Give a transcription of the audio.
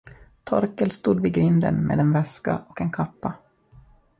Torkel stod vid grinden med en väska och en kappa.